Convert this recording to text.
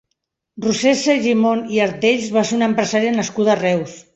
Roser Segimon i Artells va ser una empresària nascuda a Reus.